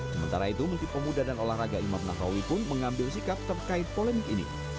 sementara itu menteri pemuda dan olahraga imam nahrawi pun mengambil sikap terkait polemik ini